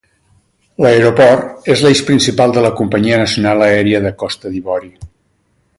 L'aeroport és l'eix principal de la companyia nacional aèria de Costa d'Ivori.